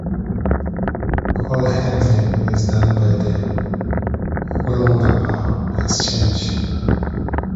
Call Handling is done by the Woolloongabba Exchange.